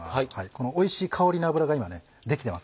このおいしい香りの油が今ねできてますから。